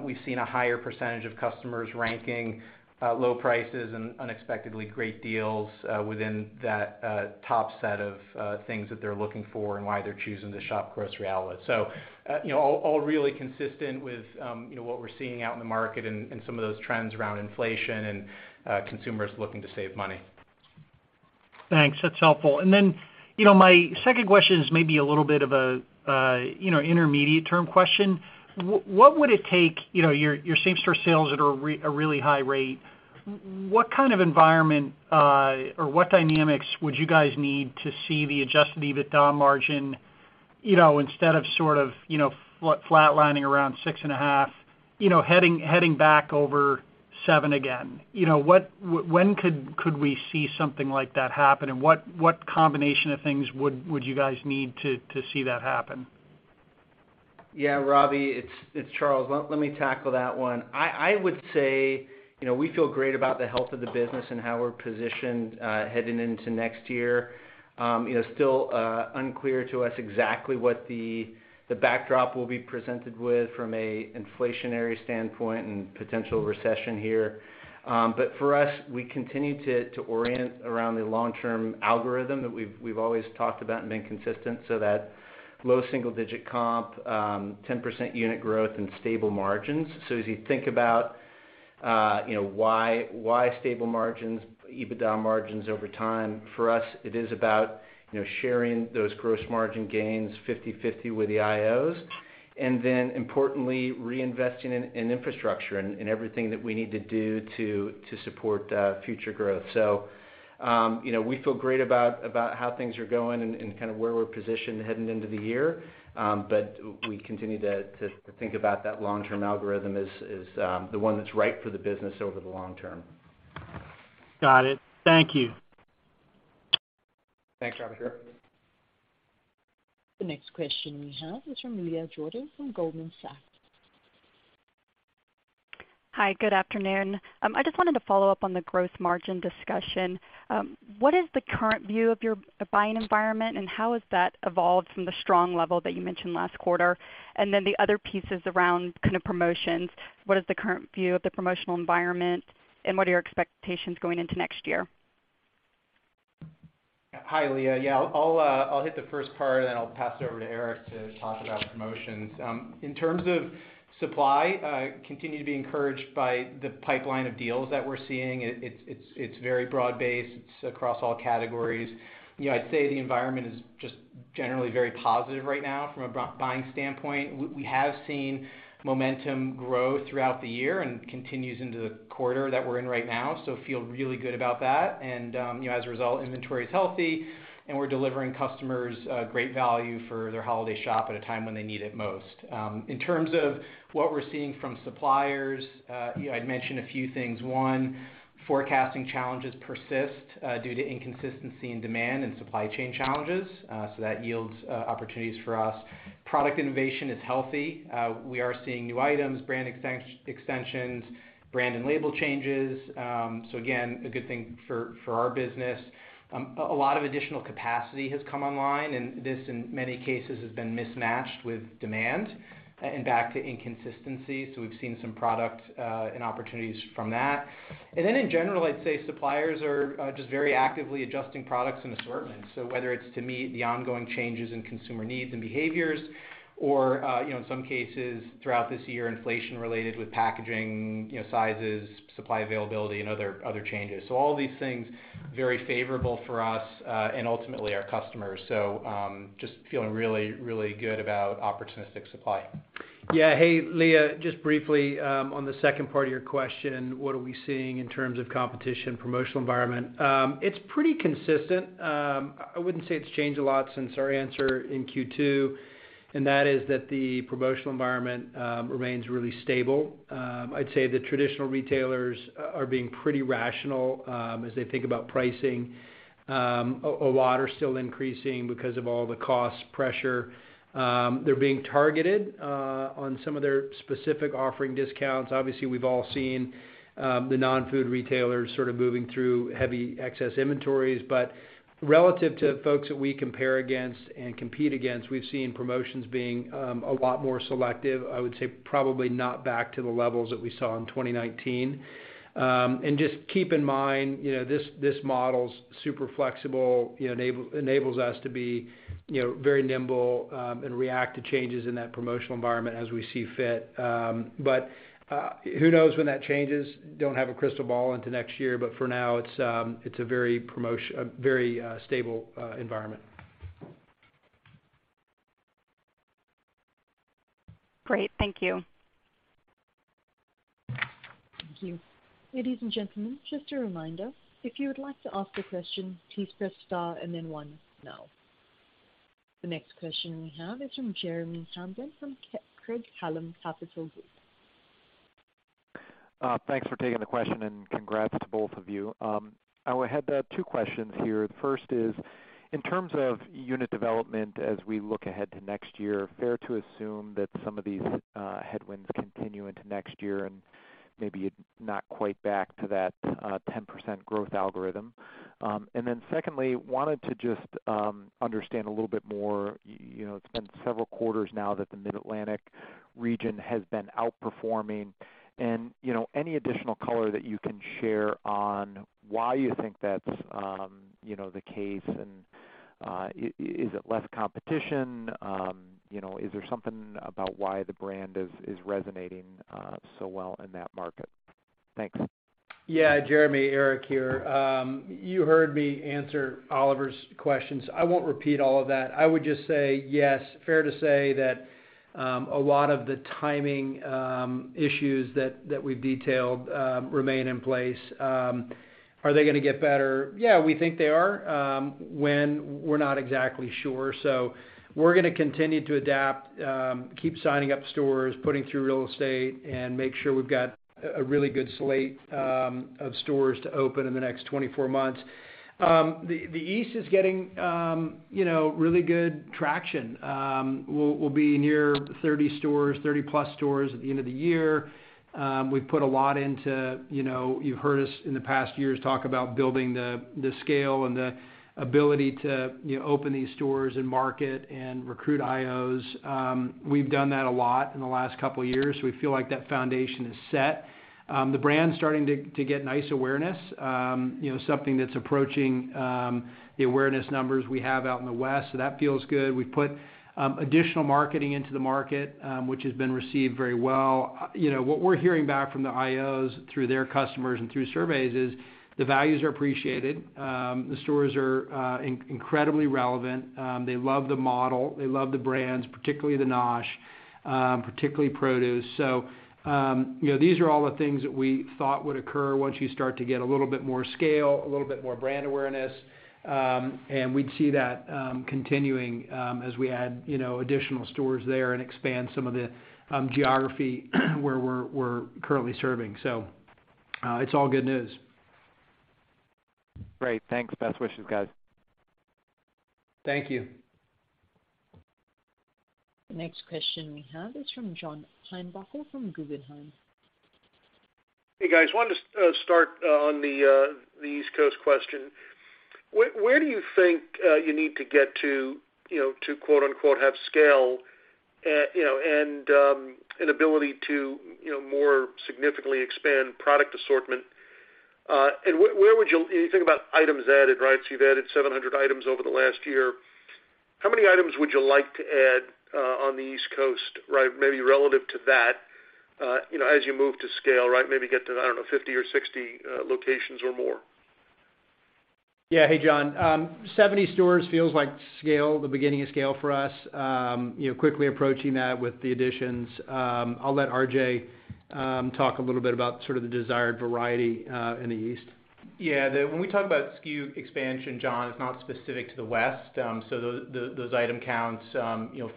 we've seen a higher percentage of customers ranking low prices and unexpectedly great deals within that top set of things that they're looking for and why they're choosing to shop Grocery Outlet. You know, all really consistent with you know, what we're seeing out in the market and some of those trends around inflation and consumers looking to save money. Thanks. That's helpful. You know, my second question is maybe a little bit of a, you know, intermediate term question. What would it take, you know, your same-store sales at a really high rate, what kind of environment or what dynamics would you guys need to see the adjusted EBITDA margin, you know, instead of sort of, you know, flatlining around 6.5%, you know, heading back over 7% again? You know, when could we see something like that happen and what combination of things would you guys need to see that happen? Yeah, Robbie, it's Charles. Let me tackle that one. I would say, you know, we feel great about the health of the business and how we're positioned heading into next year. You know, still unclear to us exactly what the backdrop will be presented with from an inflationary standpoint and potential recession here. For us, we continue to orient around the long-term algorithm that we've always talked about and been consistent so that low single digit comp, 10% unit growth and stable margins. As you think about, you know, why stable margins, EBITDA margins over time, for us, it is about, you know, sharing those gross margin gains 50/50 with the IOs, and then importantly, reinvesting in infrastructure and everything that we need to do to support future growth. You know, we feel great about how things are going and kind of where we're positioned heading into the year. We continue to think about that long-term algorithm as the one that's right for the business over the long term. Got it. Thank you. Thanks, Robert Ohmes. Sure. The next question we have is from Leah Jordan from Goldman Sachs. Hi, good afternoon. I just wanted to follow up on the growth margin discussion. What is the current view of your buying environment and how has that evolved from the strong level that you mentioned last quarter? The other pieces around kind of promotions, what is the current view of the promotional environment, and what are your expectations going into next year? Hi, Leah. Yeah. I'll hit the first part, and then I'll pass it over to Eric to talk about promotions. In terms of supply, continue to be encouraged by the pipeline of deals that we're seeing. It's very broad-based. It's across all categories. You know, I'd say the environment is just generally very positive right now from a buying standpoint. We have seen momentum grow throughout the year and continues into the quarter that we're in right now, so feel really good about that. You know, as a result, inventory is healthy, and we're delivering customers great value for their holiday shopping at a time when they need it most. In terms of what we're seeing from suppliers, you know, I'd mention a few things. One, forecasting challenges persist due to inconsistency in demand and supply chain challenges, so that yields opportunities for us. Product innovation is healthy. We are seeing new items, brand extensions, brand and label changes. Again, a good thing for our business. A lot of additional capacity has come online, and this, in many cases, has been mismatched with demand, and back to inconsistency. We've seen some product and opportunities from that. Then in general, I'd say suppliers are just very actively adjusting products and assortments. Whether it's to meet the ongoing changes in consumer needs and behaviors or, you know, in some cases throughout this year, inflation related with packaging, you know, sizes, supply availability and other changes. All these things, very favorable for us, and ultimately our customers. Just feeling really good about opportunistic supply. Yeah. Hey, Leah, just briefly, on the second part of your question, what are we seeing in terms of competition, promotional environment? It's pretty consistent. I wouldn't say it's changed a lot since our answer in Q2, and that is that the promotional environment remains really stable. I'd say the traditional retailers are being pretty rational, as they think about pricing. A lot are still increasing because of all the cost pressure. They're being targeted, on some of their specific offering discounts. Obviously, we've all seen, the non-food retailers sort of moving through heavy excess inventories. But relative to folks that we compare against and compete against, we've seen promotions being, a lot more selective. I would say probably not back to the levels that we saw in 2019. Just keep in mind, you know, this model's super flexible, you know, enables us to be, you know, very nimble, and react to changes in that promotional environment as we see fit. Who knows when that changes? Don't have a crystal ball into next year, but for now it's a very stable environment. Great. Thank you. Thank you. Ladies and gentlemen, just a reminder, if you would like to ask a question, please press star and then one now. The next question we have is from Jeremy Hamblin from Craig-Hallum Capital Group. Thanks for taking the question and congrats to both of you. I had two questions here. The first is, in terms of unit development as we look ahead to next year, fair to assume that some of these headwinds continue into next year and maybe not quite back to that 10% growth algorithm. Then secondly, wanted to just understand a little bit more, you know, it's been several quarters now that the Mid-Atlantic region has been outperforming, and, you know, any additional color that you can share on why you think that's, you know, the case and Is it less competition? You know, is there something about why the brand is resonating so well in that market? Thanks. Yeah, Jeremy, Eric here. You heard me answer Oliver's questions. I won't repeat all of that. I would just say, yes, fair to say that a lot of the timing issues that we've detailed remain in place. Are they gonna get better? Yeah, we think they are. We're not exactly sure. We're gonna continue to adapt, keep signing up stores, putting through real estate, and make sure we've got a really good slate of stores to open in the next 24 months. The East is getting you know, really good traction. We'll be near 30 stores, 30-plus stores at the end of the year. We've put a lot into, you know, you've heard us in the past years talk about building the scale and the ability to, you know, open these stores and market and recruit IOs. We've done that a lot in the last couple years. We feel like that foundation is set. The brand's starting to get nice awareness, you know, something that's approaching the awareness numbers we have out in the West, so that feels good. We've put additional marketing into the market, which has been received very well. You know, what we're hearing back from the IOs through their customers and through surveys is the values are appreciated, the stores are incredibly relevant, they love the model, they love the brands, particularly the NOSH, particularly produce. These are all the things that we thought would occur once you start to get a little bit more scale, a little bit more brand awareness, and we'd see that continuing as we add, you know, additional stores there and expand some of the geography where we're currently serving. It's all good news. Great. Thanks. Best wishes, guys. Thank you. The next question we have is from John Heinbockel from Guggenheim. Hey, guys. Wanted to start on the East Coast question. Where do you think you need to get to, you know, to quote-unquote, "have scale", you know, and an ability to, you know, more significantly expand product assortment? And where would you think about items added, right? So you've added 700 items over the last year. How many items would you like to add on the East Coast, right, maybe relative to that, you know, as you move to scale, right, maybe get to, I don't know, 50 or 60 locations or more? Yeah. Hey, John. 70 stores feels like scale, the beginning of scale for us. You know, quickly approaching that with the additions. I'll let RJ talk a little bit about sort of the desired variety in the East. Yeah. When we talk about SKU expansion, John, it's not specific to the West. Those item counts, you know,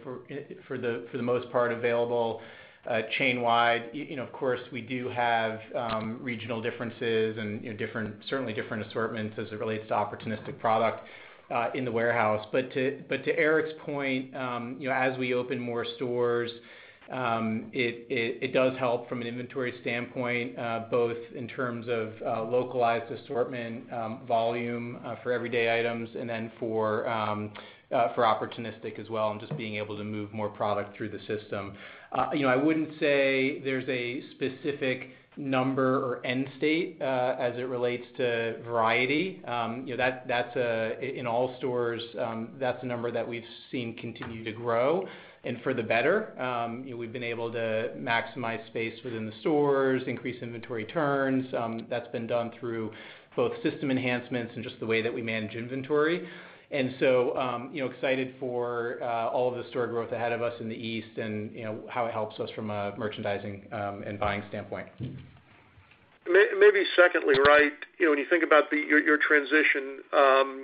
for the most part available chain wide. You know, of course, we do have regional differences and, you know, different, certainly different assortments as it relates to opportunistic product in the warehouse. To Eric's point, you know, as we open more stores, it does help from an inventory standpoint, both in terms of localized assortment, volume for everyday items and then for opportunistic as well, and just being able to move more product through the system. You know, I wouldn't say there's a specific number or end state as it relates to variety. You know, that's in all stores, that's a number that we've seen continue to grow and for the better. You know, we've been able to maximize space within the stores, increase inventory turns, that's been done through both system enhancements and just the way that we manage inventory. You know, excited for all of the store growth ahead of us in the East and, you know, how it helps us from a merchandising and buying standpoint. Maybe secondly, right, you know, when you think about your transition, you know,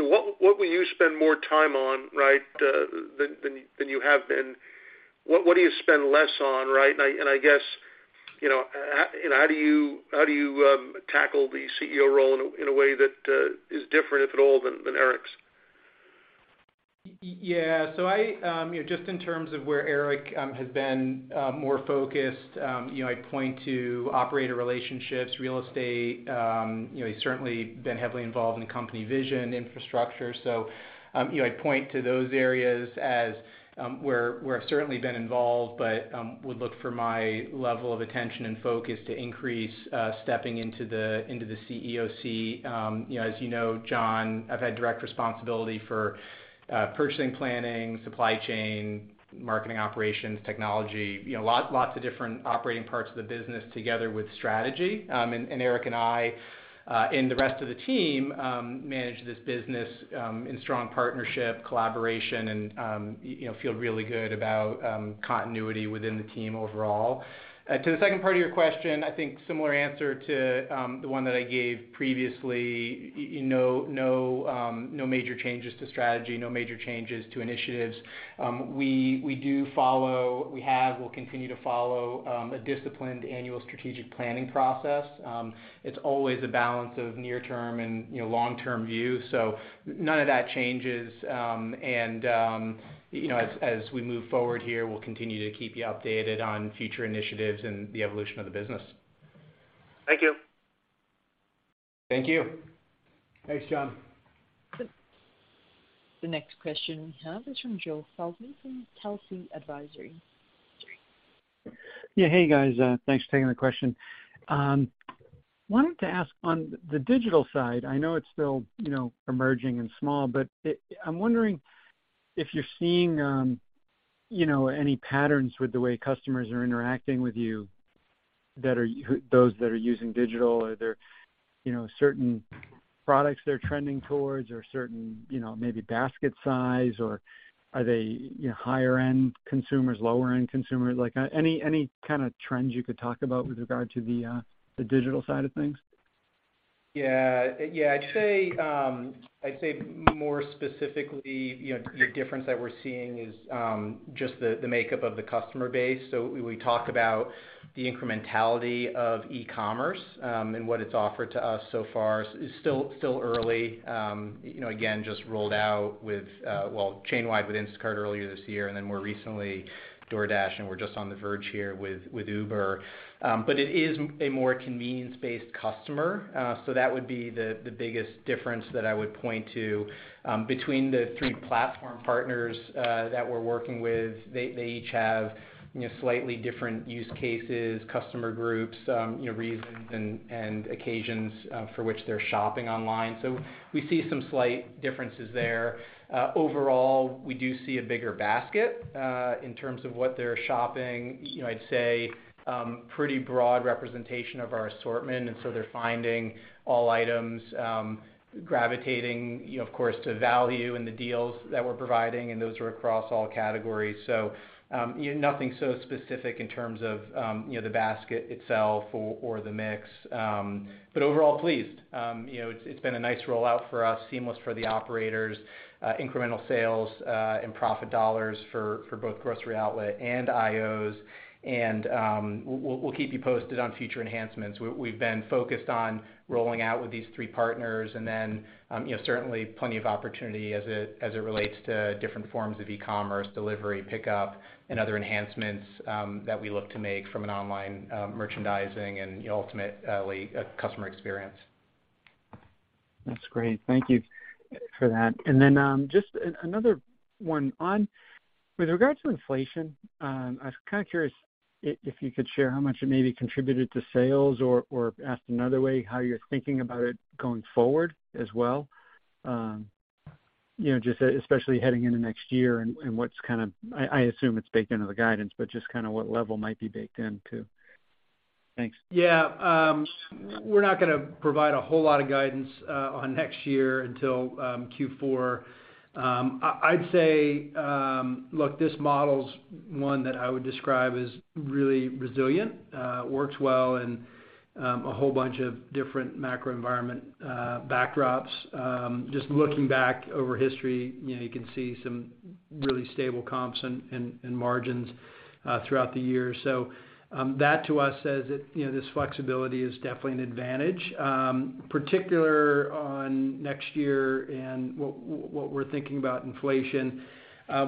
what will you spend more time on, right, than you have been? What do you spend less on, right? I guess, you know, how do you tackle the CEO role in a way that is different, if at all, than Eric's? Yeah. You know, just in terms of where Eric has been more focused, you know, I'd point to operator relationships, real estate, you know, he's certainly been heavily involved in the company vision, infrastructure. I'd point to those areas as where I've certainly been involved, but would look for my level of attention and focus to increase stepping into the CEO seat. You know, as you know, John, I've had direct responsibility for purchasing, planning, supply chain, marketing operations, technology, you know, lots of different operating parts of the business together with strategy. Eric and I and the rest of the team manage this business in strong partnership, collaboration, and you know, feel really good about continuity within the team overall. To the second part of your question, I think similar answer to the one that I gave previously. You know, no major changes to strategy, no major changes to initiatives. We do follow. We'll continue to follow a disciplined annual strategic planning process. It's always a balance of near term and, you know, long term view. None of that changes. You know, as we move forward here, we'll continue to keep you updated on future initiatives and the evolution of the business. Thank you. Thank you. Thanks, John. The next question we have is from Joe Feldman from Telsey Advisory Group. Yeah. Hey, guys, thanks for taking the question. Wanted to ask on the digital side, I know it's still, you know, emerging and small, but I'm wondering if you're seeing, you know, any patterns with the way customers are interacting with you, those that are using digital. Are there, you know, certain products they're trending towards or certain, you know, maybe basket size, or are they, you know, higher end consumers, lower end consumers? Like, any kind of trends you could talk about with regard to the digital side of things? Yeah. I'd say more specifically, you know, the difference that we're seeing is just the makeup of the customer base. So we talk about the incrementality of e-commerce, and what it's offered to us so far is still early. You know, again, just rolled out chain wide with Instacart earlier this year and then more recently, DoorDash, and we're just on the verge here with Uber. But it is a more convenience-based customer. So that would be the biggest difference that I would point to between the three platform partners that we're working with. They each have, you know, slightly different use cases, customer groups, you know, reasons and occasions for which they're shopping online. So we see some slight differences there. Overall, we do see a bigger basket in terms of what they're shopping. You know, I'd say pretty broad representation of our assortment, and so they're finding all items gravitating, you know, of course, to value and the deals that we're providing, and those are across all categories. Nothing so specific in terms of you know, the basket itself or the mix. But overall, pleased. You know, it's been a nice rollout for us, seamless for the operators, incremental sales and profit dollars for both Grocery Outlet and IOs. We'll keep you posted on future enhancements. We've been focused on rolling out with these three partners and then, you know, certainly plenty of opportunity as it relates to different forms of e-commerce, delivery, pickup, and other enhancements, that we look to make from an online, merchandising and ultimately a customer experience. That's great. Thank you for that. Just another one. With regard to inflation, I was kind of curious if you could share how much it maybe contributed to sales or, asked another way, how you're thinking about it going forward as well, you know, just especially heading into next year and what's kind of, I assume it's baked into the guidance, but just kind of what level might be baked in too. Thanks. Yeah. We're not gonna provide a whole lot of guidance on next year until Q4. I'd say, look, this model's one that I would describe as really resilient, works well in a whole bunch of different macro environment backdrops. Just looking back over history, you know, you can see some really stable comps and margins throughout the year. That to us says that, you know, this flexibility is definitely an advantage. Particularly on next year and what we're thinking about inflation,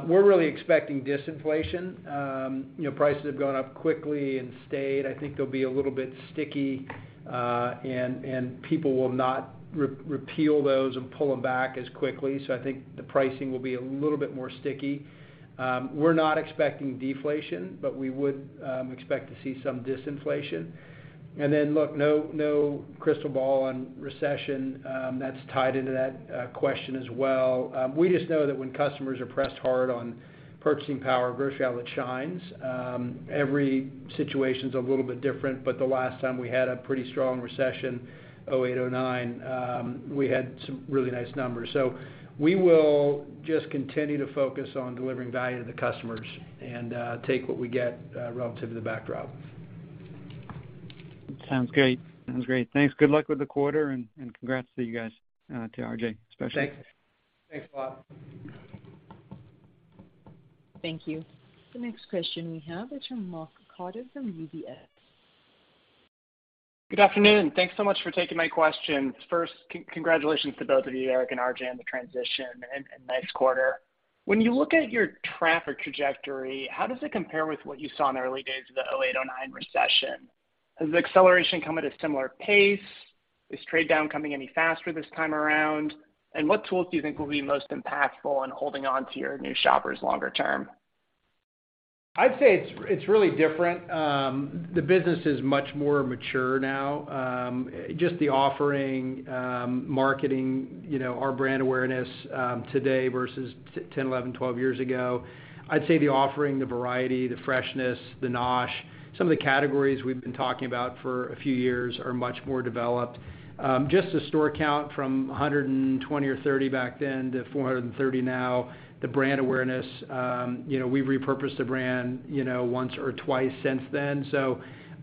we're really expecting disinflation. You know, prices have gone up quickly and stayed. I think they'll be a little bit sticky, and people will not repeal those and pull them back as quickly. I think the pricing will be a little bit more sticky. We're not expecting deflation, but we would expect to see some disinflation. Look, no crystal ball on recession, that's tied into that question as well. We just know that when customers are pressed hard on purchasing power, Grocery Outlet shines. Every situation is a little bit different, but the last time we had a pretty strong recession, 2008, 2009, we had some really nice numbers. We will just continue to focus on delivering value to the customers and take what we get relative to the backdrop. Sounds great. Thanks. Good luck with the quarter, and congrats to you guys, to RJ, especially. Thanks. Thanks, Joe Feldman. Thank you. The next question we have is from Mark Carden from UBS. Good afternoon. Thanks so much for taking my question. First, congratulations to both of you, Eric and RJ, on the transition and nice quarter. When you look at your traffic trajectory, how does it compare with what you saw in the early days of the 2008, 2009 recession? Has the acceleration come at a similar pace? Is trade down coming any faster this time around? What tools do you think will be most impactful in holding on to your new shoppers longer term? I'd say it's really different. The business is much more mature now. Just the offering, marketing, you know, our brand awareness, today versus 10, 11, 12 years ago. I'd say the offering, the variety, the freshness, the NOSH, some of the categories we've been talking about for a few years are much more developed. Just the store count from 120 or 130 back then to 430 now, the brand awareness, you know, we repurposed the brand, you know, once or twice since then.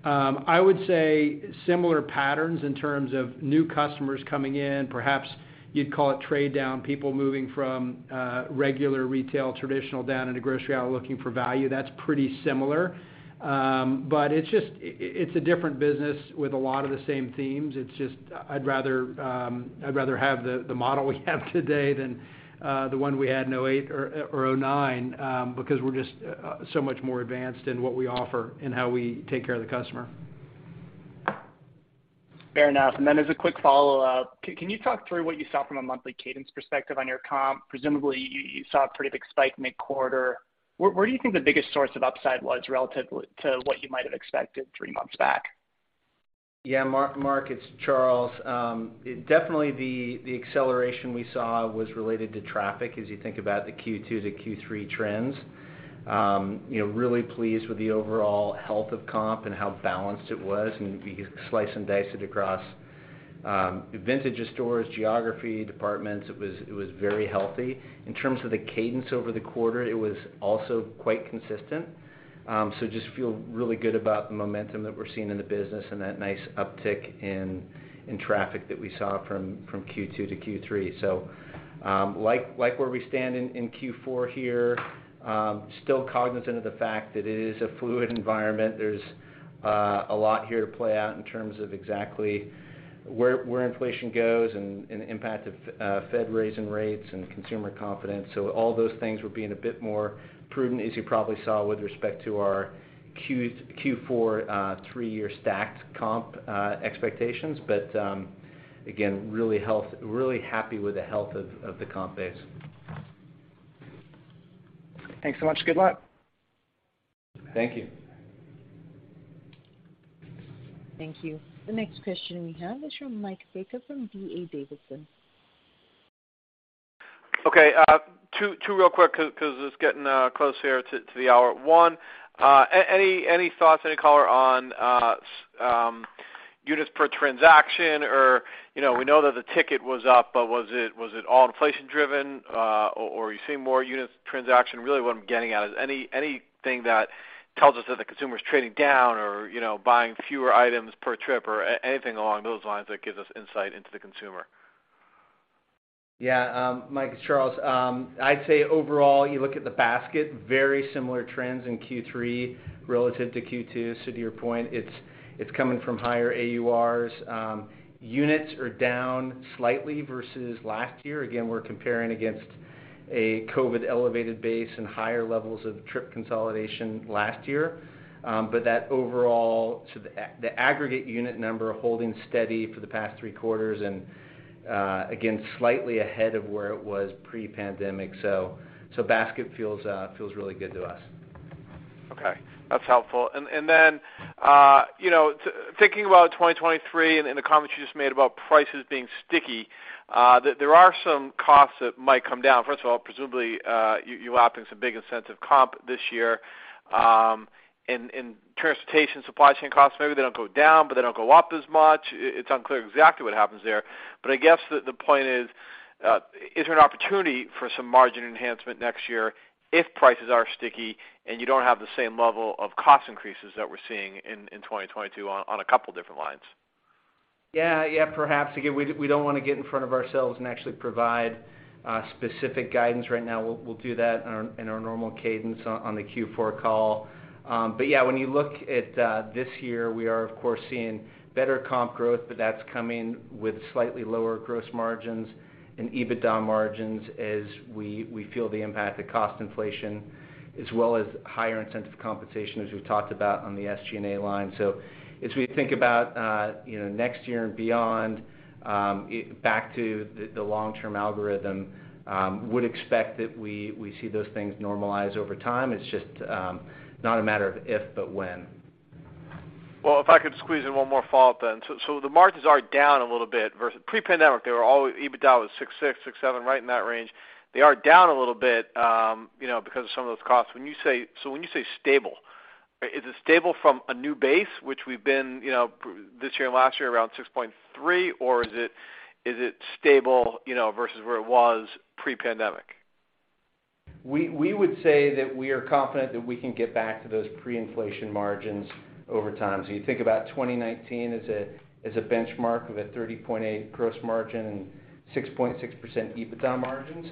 I would say similar patterns in terms of new customers coming in, perhaps you'd call it trade down, people moving from regular retail, traditional down into Grocery Outlet, looking for value. That's pretty similar. But it's just. It's a different business with a lot of the same themes. It's just I'd rather have the model we have today than the one we had in 2008 or 2009 because we're just so much more advanced in what we offer and how we take care of the customer. Fair enough. As a quick follow-up, can you talk through what you saw from a monthly cadence perspective on your comp? Presumably, you saw a pretty big spike mid-quarter. Where do you think the biggest source of upside was relative to what you might have expected three months back? Yeah, Mark Carden, it's Charles Bracher. Definitely the acceleration we saw was related to traffic as you think about the Q2 to Q3 trends. You know, really pleased with the overall health of comp and how balanced it was, and you slice and dice it across vintage of stores, geography, departments, it was very healthy. In terms of the cadence over the quarter, it was also quite consistent. Just feel really good about the momentum that we're seeing in the business and that nice uptick in traffic that we saw from Q2 to Q3. Like where we stand in Q4 here, still cognizant of the fact that it is a fluid environment. There's a lot here to play out in terms of exactly where inflation goes and the impact of Fed raising rates and consumer confidence. All those things, we're being a bit more prudent, as you probably saw with respect to our Q4 three-year stacked comp expectations. Again, really happy with the health of the comp base. Thanks so much. Good luck. Thank you. Thank you. The next question we have is from Michael Baker from D.A. Davidson. Okay, two real quick 'cause it's getting close here to the hour. One, any thoughts, any color on units per transaction? Or, you know, we know that the ticket was up, but was it all inflation driven, or are you seeing more units per transaction? Really what I'm getting at is anything that tells us that the consumer is trading down or, you know, buying fewer items per trip or anything along those lines that gives us insight into the consumer. Yeah. Mike, it's Charles. I'd say overall, you look at the basket, very similar trends in Q3 relative to Q2. To your point, it's coming from higher AURs. Units are down slightly versus last year. Again, we're comparing against a COVID elevated base and higher levels of trip consolidation last year. That overall, so the aggregate unit number holding steady for the past three quarters, and again, slightly ahead of where it was pre-pandemic. Basket feels really good to us. Okay. That's helpful. Then, you know, thinking about 2023 and the comments you just made about prices being sticky, there are some costs that might come down. First of all, presumably, you're lapping some big incentive comp this year, and in transportation, supply chain costs, maybe they don't go down, but they don't go up as much. It's unclear exactly what happens there. I guess the point is there an opportunity for some margin enhancement next year if prices are sticky and you don't have the same level of cost increases that we're seeing in 2022 on a couple different lines? Yeah. Yeah, perhaps. Again, we don't wanna get in front of ourselves and actually provide specific guidance right now. We'll do that in our normal cadence on the Q4 call. Yeah, when you look at this year, we are of course seeing better comp growth, but that's coming with slightly lower gross margins and EBITDA margins as we feel the impact of cost inflation as well as higher incentive compensation, as we've talked about on the SG&A line. As we think about you know next year and beyond, back to the long-term algorithm, would expect that we see those things normalize over time. It's just not a matter of if, but when. Well, if I could squeeze in one more follow-up then. The margins are down a little bit versus pre-pandemic. Pre-pandemic, EBITDA was 6.6%-6.7%, right in that range. They are down a little bit, you know, because of some of those costs. When you say stable, is it stable from a new base, which we've been, you know, this year and last year around 6.3%, or is it stable, you know, versus where it was pre-pandemic? We would say that we are confident that we can get back to those pre-inflation margins over time. You think about 2019 as a benchmark of a 30.8% gross margin and 6.6% EBITDA margins.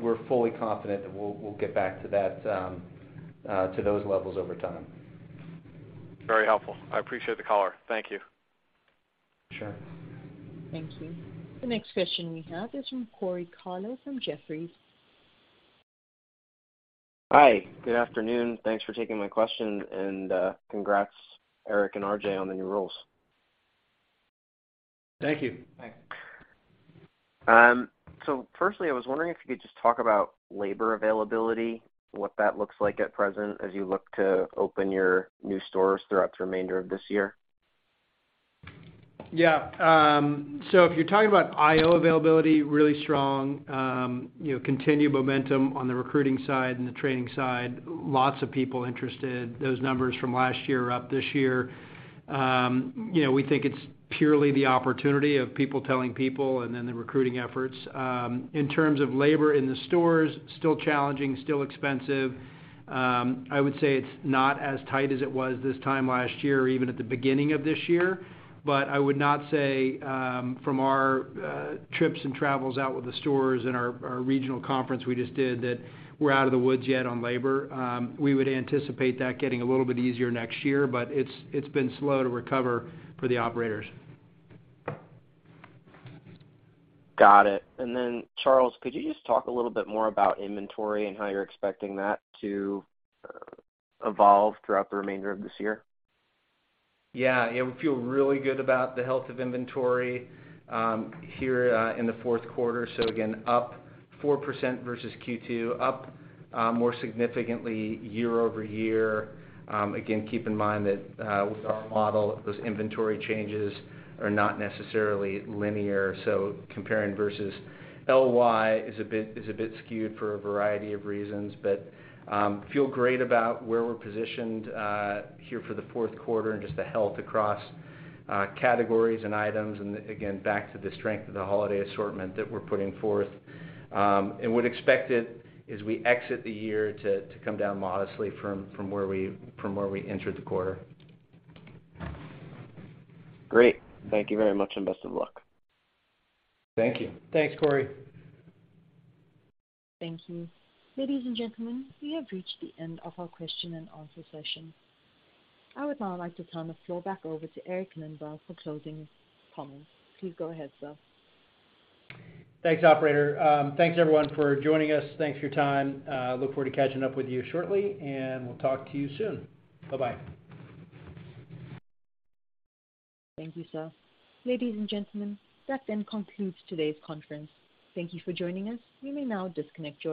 We're fully confident that we'll get back to that, to those levels over time. Very helpful. I appreciate the color. Thank you. Sure. Thank you. The next question we have is from Corey Tarlowe from Jefferies. Hi. Good afternoon. Thanks for taking my question. Congrats, Eric and RJ, on the new roles. Thank you. Thanks. Firstly, I was wondering if you could just talk about labor availability, what that looks like at present as you look to open your new stores throughout the remainder of this year? Yeah. If you're talking about IO availability, really strong. You know, continued momentum on the recruiting side and the training side. Lots of people interested. Those numbers from last year are up this year. You know, we think it's purely the opportunity of people telling people and then the recruiting efforts. In terms of labor in the stores, still challenging, still expensive. I would say it's not as tight as it was this time last year or even at the beginning of this year. I would not say from our trips and travels out with the stores and our regional conference we just did that we're out of the woods yet on labor. We would anticipate that getting a little bit easier next year, but it's been slow to recover for the operators. Got it. Charles, could you just talk a little bit more about inventory and how you're expecting that to evolve throughout the remainder of this year? Yeah. Yeah, we feel really good about the health of inventory here in the fourth quarter. Again, up 4% versus Q2, up more significantly year-over-year. Again, keep in mind that with our model, those inventory changes are not necessarily linear, so comparing versus LY is a bit skewed for a variety of reasons. Feel great about where we're positioned here for the fourth quarter and just the health across categories and items and again back to the strength of the holiday assortment that we're putting forth. Would expect it as we exit the year to come down modestly from where we entered the quarter. Great. Thank you very much, and best of luck. Thank you. Thanks, Corey. Thank you. Ladies and gentlemen, we have reached the end of our question and answer session. I would now like to turn the floor back over to Eric Lindberg for closing comments. Please go ahead, sir. Thanks, operator. Thanks everyone for joining us. Thanks for your time. Look forward to catching up with you shortly, and we'll talk to you soon. Bye-bye. Thank you, sir. Ladies and gentlemen, that then concludes today's conference. Thank you for joining us. You may now disconnect your line.